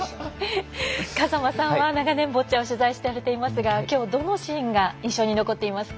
風間さんは長年ボッチャを取材されていますがきょうどのシーンが印象に残っていますか。